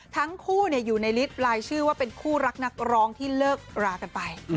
ทั้งคู่อยู่ในลิฟต์ลายชื่อว่าเป็นคู่รักนักร้องที่เลิกรากันไป